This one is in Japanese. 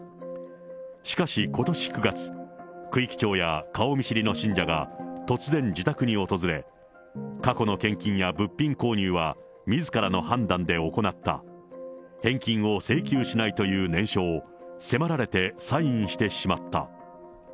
しかし、ことし９月、区域長や顔見知りの信者が突然自宅に訪れ、過去の献金や物品購入はみずからの判断で行った、返金を請求しないという念書を、迫られてサインしてしまった。